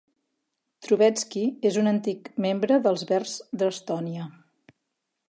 Trubetsky és un antic membre dels Verds d'Estònia.